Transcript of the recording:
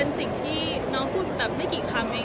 น้องกูพูดแปบไม่กี่คำเอง